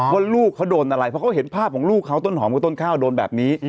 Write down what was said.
ว่าลูกเขาโดนอะไรเพราะเขาเห็นภาพของลูกเขาต้นหอมกับต้นข้าวโดนแบบนี้